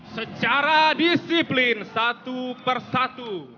secara disiplin satu persatu